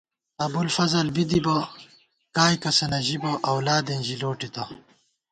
ابُوالفضل بی دِبہ ، کائےکسہ نہ ژِبہ ، اولادېن ژی لوٹِتہ